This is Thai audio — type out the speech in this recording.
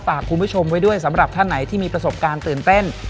ฝากคุณผู้ชมไว้ด้วยสำหรับท่านไหนที่มีประสบการณ์ตื่นเต้น